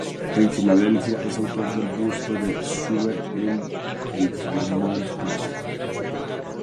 En Filadelfia es autor del busto de Schubert en el Fairmount Park.